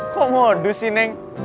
kok modus sih neng